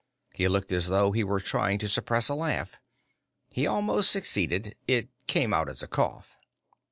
He looked as though he were trying to suppress a laugh. He almost succeeded. It came out as a cough.